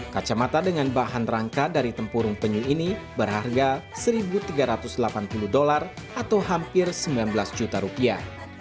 kacamata dengan bahan rangka dari tempurung penyu ini berharga satu tiga ratus delapan puluh dolar atau hampir sembilan belas juta rupiah